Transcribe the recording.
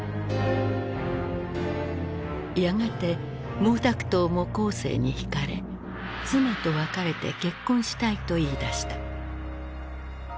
やがて毛沢東も江青に惹かれ妻と別れて結婚したいと言いだした。